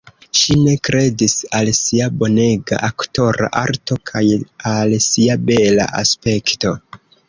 Ŝi ne kredis al sia bonega aktora arto kaj al sia bela aspekto.